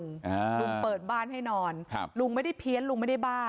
อ่าลุงเปิดบ้านให้นอนครับลุงไม่ได้เพี้ยนลุงไม่ได้บ้า